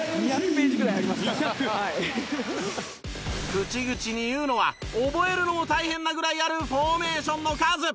口々に言うのは覚えるのも大変なぐらいあるフォーメーションの数！